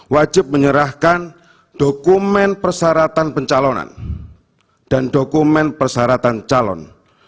wajib menyerahkan dokumen persyaratan pencalonan dan dokumen persyaratan calon